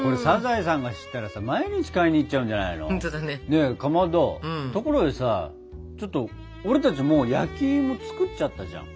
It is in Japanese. ねえかまどところでさちょっと俺たちもう焼きいも作っちゃったじゃん。